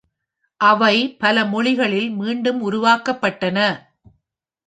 அவை பல மொழிகளில் மீண்டும் உருவாக்கப்பட்டன.